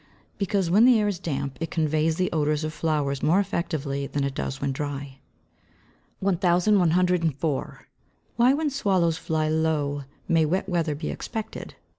_ Because when the air is damp it conveys the odours of flowers more effectively than it does when dry. 1104. _Why when swallows fly low may wet weather be expected?